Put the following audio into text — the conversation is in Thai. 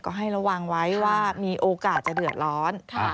ก็ให้ระวังไว้ว่ามีโอกาสจะเดือดร้อน